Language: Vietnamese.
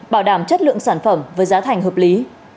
bảo đảm chất lượng sản phẩm với giá thành hợp lý